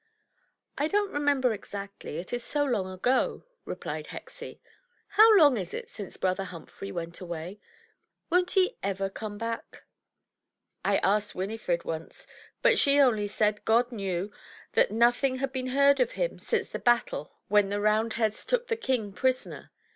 "I don't remember exactly, it is so long ago," repHed Hexie. "How long is it since brother Humphrey went away? Won't he ever come back?" "I asked Winifred once, but she only said God knew, that nothing had been heard of him since the battle when the Roimd 316 THE TREASURE CHEST heads took the king prisoner.